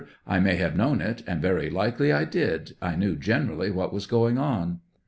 I may have known it, and very likely I did; I knew generally what was going on. Q.